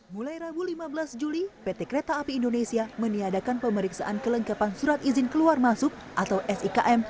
mulai rabu lima belas juli pt kereta api indonesia meniadakan pemeriksaan kelengkapan surat izin keluar masuk atau sikm